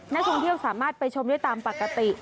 นักท่องเที่ยวสามารถไปชมได้ตามปกติ